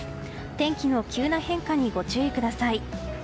天気の急な変化にご注意ください。